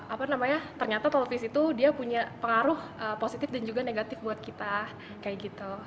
apa namanya ternyata televisi itu dia punya pengaruh positif dan juga negatif buat kita kayak gitu